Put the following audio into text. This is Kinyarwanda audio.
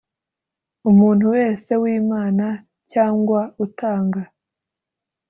umuntu wese wimana cyangwa utanga